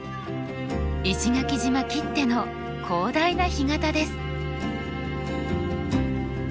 石垣島きっての広大な干潟です。